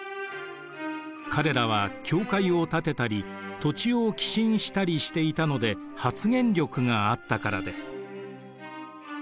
彼らは教会を建てたり土地を寄進したりしていたので発言力があったからです。